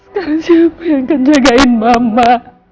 kamu siapa yang akan jagain mama